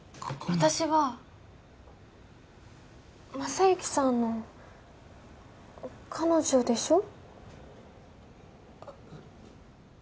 私は正之さんの彼女でしょ？